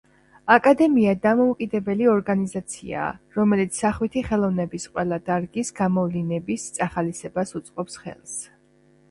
აკადემია დამოუკიდებელი ორგანიზაციაა, რომელიც სახვითი ხელოვნების ყველა დარგის გამოვლინების წახალისებას უწყობს ხელს.